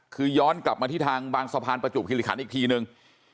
คือย้อนกลับมาที่ทางบางสะพานประจวบคิริขันอีกทีนึง